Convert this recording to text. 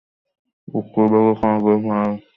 উত্তরভাগে কানাডায় পারা জমে যায়।